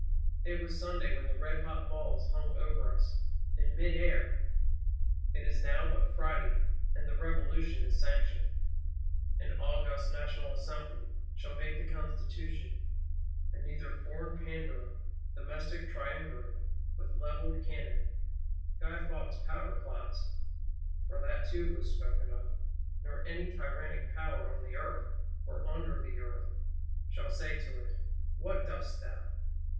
It was Sunday when the red hot balls hung over us, in mid air: it is now but Friday, and "the Revolution is sanctioned." An August National Assembly shall make the Constitution; and neither foreign Pandour, domestic Triumvirate, with levelled Cannon, Guy Faux powder plots (for that too was spoken of); nor any tyrannic Power on the Earth, or under the Earth, shall say to it, What dost thou?